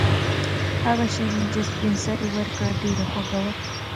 هغه شیرني چې سپین سرې ورکړه ډېره خوږه وه.